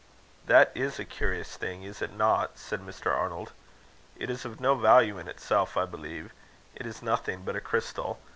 "That is a curious thing, is it not?" said Mr. Arnold. "It is of no value in itself, I believe; it is nothing but a crystal.